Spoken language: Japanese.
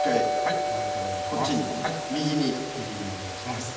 もう１回こっちに右に右にお願いします